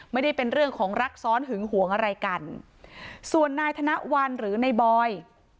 ไม่ได้เป็นเรื่องของรักซ้อนหึงหวงอะไรกันส่วนนายธนวัลหรือในบอย